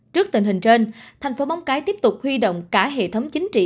trước tình hình trên thành phố móng cái tiếp tục huy động cả hệ thống chính trị